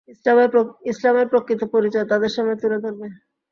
ইসলামের প্রকৃত পরিচয় তাদের সামনে তুলে ধরবে।